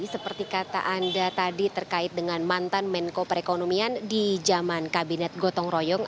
seperti kata anda tadi terkait dengan mantan menko perekonomian di zaman kabinet gotong royong